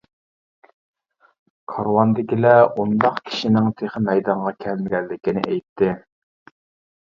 كارۋاندىكىلەر ئۇنداق كىشىنىڭ تېخى مەيدانغا كەلمىگەنلىكىنى ئېيتتى.